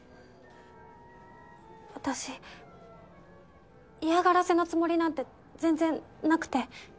私嫌がらせのつもりなんて全然なくて。